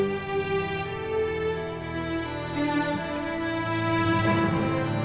masih gak biasan jumpa bagi orang kecil sakit ngorok